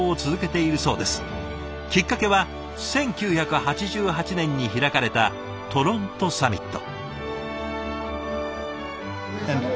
きっかけは１９８８年に開かれたトロントサミット。